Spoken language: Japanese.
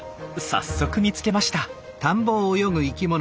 早速見つけました。